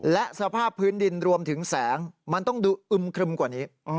และสภาพพื้นดินรวมถึงแสงมันต้องดูอึมครึมกว่านี้